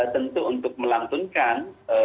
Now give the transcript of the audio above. tentu untuk melantunkan